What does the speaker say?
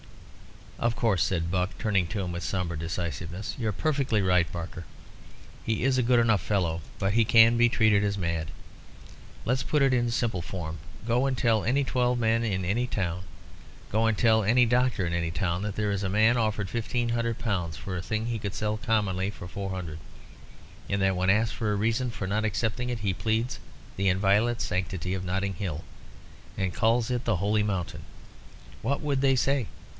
"Of course," said Buck, turning to him with sombre decisiveness. "You're perfectly right, Barker. He is a good enough fellow, but he can be treated as mad. Let's put it in simple form. Go and tell any twelve men in any town, go and tell any doctor in any town, that there is a man offered fifteen hundred pounds for a thing he could sell commonly for four hundred, and that when asked for a reason for not accepting it he pleads the inviolate sanctity of Notting Hill and calls it the Holy Mountain. What would they say?